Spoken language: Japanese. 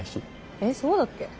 えそうだっけ？